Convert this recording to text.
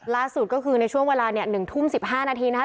ล่าสุดก็คือในช่วงเวลา๑ทุ่ม๑๕นาทีนะครับ